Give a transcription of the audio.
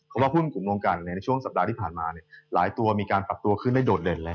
เพราะว่าหุ้นกลุ่มรวมกันในช่วงสัปดาห์ที่ผ่านมาหลายตัวมีการปรับตัวขึ้นได้โดดเด่นเลย